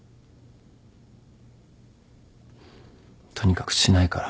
とにかくしないから。